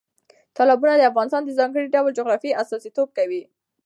تالابونه د افغانستان د ځانګړي ډول جغرافیه استازیتوب کوي.